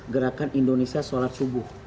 gerakan indonesia solat subuh